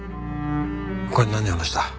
他に何を話した？